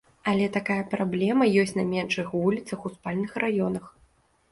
Але такая праблема ёсць на меншых вуліцах у спальных раёнах.